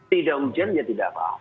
tidak hujan ya tidak apa apa